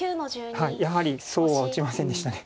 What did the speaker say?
やはりそうは打ちませんでした。